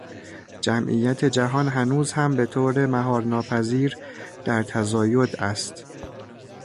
جمعیت جهان هنوز هم به طور مهار ناپذیر در تزاید است.